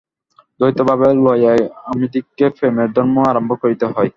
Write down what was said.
দ্বৈতভাব লইয়াই আমাদিগকে প্রেমের ধর্ম আরম্ভ করিতে হয়।